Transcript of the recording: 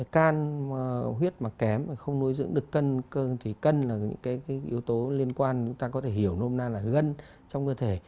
can huyết mà kém không nuôi dưỡng được cân thì cân là những yếu tố liên quan chúng ta có thể hiểu nôm na là gần trong cơ thể